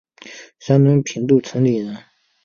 山东平度城里人。